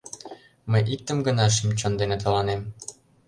Мый иктым гына шӱм-чон ден тыланем: